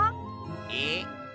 えっ？